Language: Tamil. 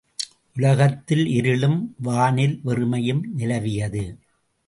உலகத்தில் இருளும், வானில் வெறுமையும் நிலவியது.